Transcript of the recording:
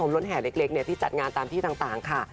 รถแห่เล็กที่จัดงานตามที่ต่างค่ะ